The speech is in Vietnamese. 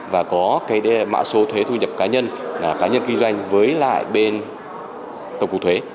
và có cái mạ số thuế thu nhập cá nhân cá nhân kinh doanh với lại bên tổng cục thuế